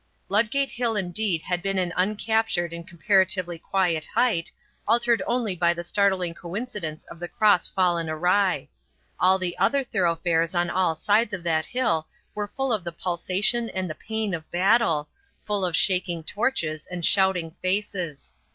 Ludgate Hill indeed had been an uncaptured and comparatively quiet height, altered only by the startling coincidence of the cross fallen awry. All the other thoroughfares on all sides of that hill were full of the pulsation and the pain of battle, full of shaking torches and shouting faces.